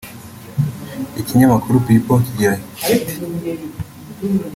Ikinyamakuru People kigira kiti